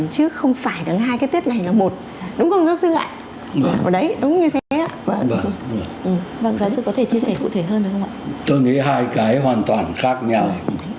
tôi nghĩ hai cái hoàn toàn khác nhau